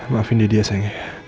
maafin didi ya sayangnya